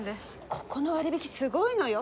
ここの割引すごいのよ。